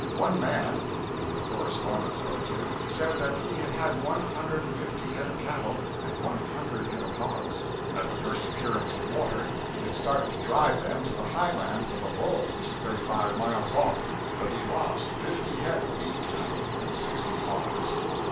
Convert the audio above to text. One man, whom your correspondent spoke to, said that he had had one hundred and fifty head of cattle and one hundred head of hogs. At the first appearance of water he had started to drive them to the high lands of Avoyelles, thirty five miles off, but he lost fifty head of the beef cattle and sixty hogs.